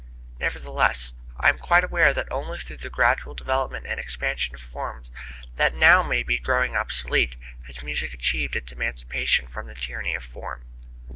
Nevertheless, I am quite aware that only through the gradual development and expansion of forms that now may be growing obsolete has music achieved its emancipation from the tyranny of form.